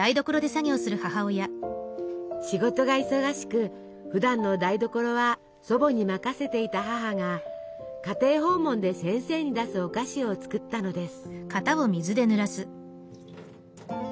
仕事が忙しくふだんの台所は祖母に任せていた母が家庭訪問で先生に出すお菓子を作ったのです。